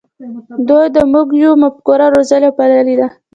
دوی د "موږ یو" مفکوره روزلې او پاللې ده.